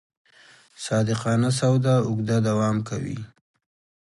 صادقانه سودا اوږده دوام کوي.